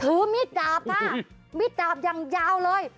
ถือมิตรดาบค่ะมิตรดาบยังยาวเลย